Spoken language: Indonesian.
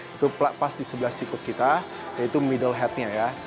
itu pas di sebelah situ kita yaitu middle headnya ya